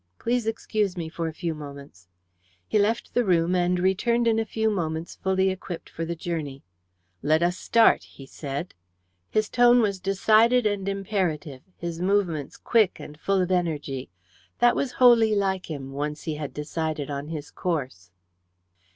"Please excuse me for a few moments." He left the room, and returned in a few moments fully equipped for the journey. "Let us start," he said. His tone was decided and imperative, his movements quick and full of energy. That was wholly like him, once he had decided on his course.